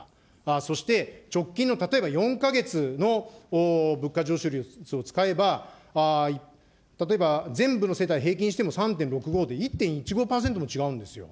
そして直近の、例えば４か月の物価上昇率を使えば、例えば全部の世帯平均しても３．６５で、１．１５％も違うんですよ。